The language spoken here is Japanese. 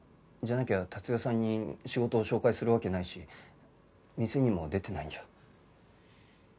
じゃなきゃ達代さんに仕事を紹介するわけないし店にも出てないんじゃ。